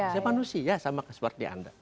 saya manusia sama seperti anda